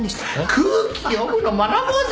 空気読むの学ぼうぜ！